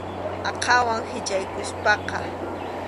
Aqhawan hichʼaykusqa.